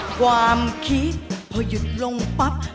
ความคิดพอหยุดลงปั๊บ